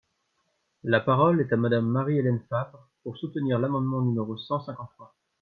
La parole est à Madame Marie-Hélène Fabre, pour soutenir l’amendement numéro cent cinquante-trois.